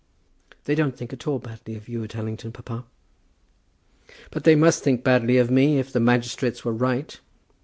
"They don't think at all badly of you at Allington, papa." "But they must think badly of me if the magistrates were right?"